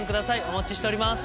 お待ちしております。